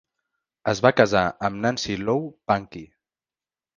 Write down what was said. Es va casar amb Nancy Lou Pankey.